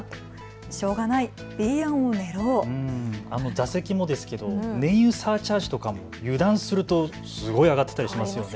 座席もですけど燃油サーチャージとかも油断するとすごい上がってたりしますよね。